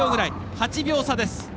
８秒差です。